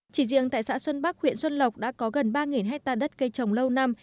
chỉ riêng tại xã xuân bắc huyện xuân lộc đã có gần ba hectare đất cây trồng lâu năm